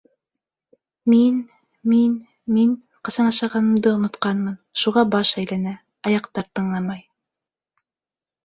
— Мин... мин... мин ҡасан ашағанымды онотҡанмын, шуға баш әйләнә, аяҡтар тыңламай.